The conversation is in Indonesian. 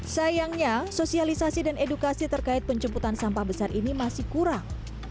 sayangnya sosialisasi dan edukasi terkait penjemputan sampah besar ini masih kurang